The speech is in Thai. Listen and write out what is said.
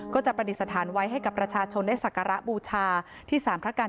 ก็จะปฏิสถานไว้ให้กับประชาชนเอศักรบูชาที่สามพระกาล